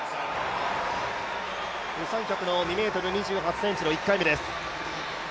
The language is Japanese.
ウ・サンヒョクの２ｍ２８ｃｍの１回目です。